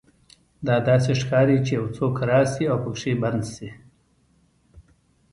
دا داسې ښکاري چې یو څوک راشي او پکې بند شي